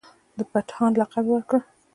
د پتهان لقب یې ورکړ.